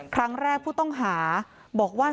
ครั้งแรกผู้ต้องหาบอกว่า